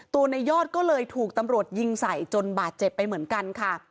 ในยอดก็เลยถูกตำรวจยิงใส่จนบาดเจ็บไปเหมือนกันค่ะ